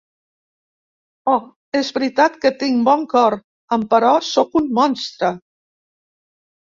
Oh és veritat que tinc bon cor, emperò sóc un monstre!